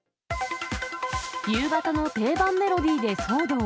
夕方の定番メロディーで騒動。